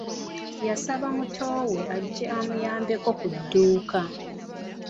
Yasaba mutowe ajje amuyambeko ku dduuka.